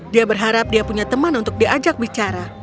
dia berharap dia punya teman untuk diajak bicara